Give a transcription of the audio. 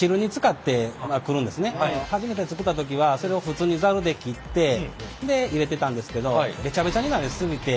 初めて作った時はそれを普通にザルで切ってで入れてたんですけどベチャベチャになり過ぎて。